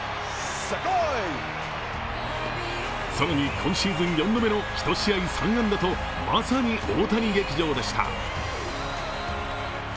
更に今シーズン４度目の１試合３安打とまさに大谷劇場でした。